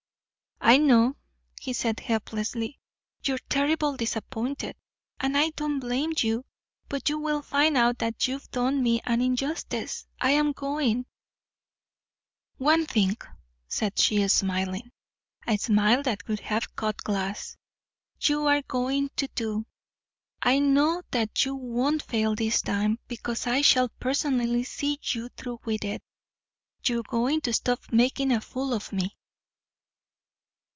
"I know," he said helplessly, "you're terribly disappointed. And I don't blame you. But you will find out that you've done me an injustice. I'm going " "One thing," said she, smiling a smile that could have cut glass, "you are going to do. I know that you won't fail this time, because I shall personally see you through with it. You're going to stop making a fool of me."